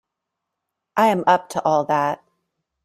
I am up to all that.